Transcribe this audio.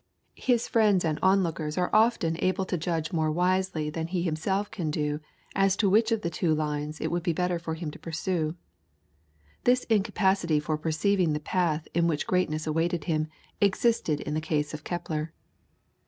His friends and onlookers are often able to judge more wisely than he himself can do as to which of the two lines it would be better for him to pursue. This incapacity for perceiving the path in which greatness awaited him, existed in the case of Kepler.